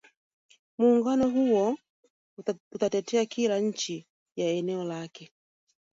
muungano huo utatetea kila nchi ya eneo lake